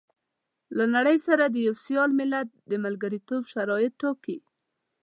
له نړۍ سره د يوه سيال ملت د ملګرتوب شرايط ټاکي.